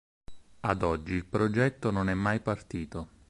Ad oggi il progetto non è mai partito.